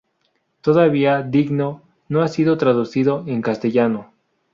Todavía "Dingo" no ha sido traducido en castellano.